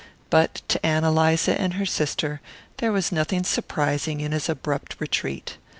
But to Ann Eliza and her sister there was nothing surprising in his abrupt retreat.